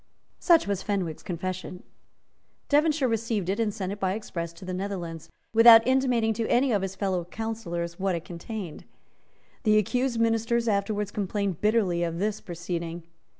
Such was Fenwick's confession. Devonshire received it and sent it by express to the Netherlands, without intimating to any of his fellow councillors what it contained. The accused ministers afterwards complained bitterly of this proceeding.